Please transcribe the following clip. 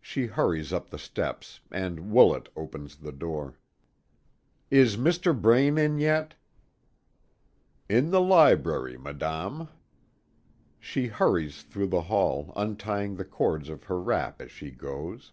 She hurries up the steps, and Woolet opens the door. "Is Mr. Braine in yet?" "In the library, madame." She hurries through the hall, untying the cords of her wrap as she goes.